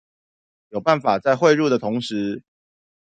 有辦法在匯入的同時